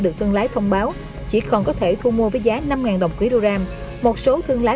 được thương lái thông báo chỉ còn có thể thu mua với giá năm đồng quý đô ram một số thương lái